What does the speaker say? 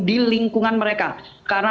di lingkungan mereka karena